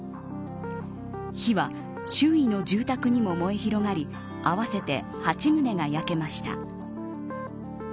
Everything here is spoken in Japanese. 火は周囲の住宅にも燃え広がり合わせて８棟が焼けました。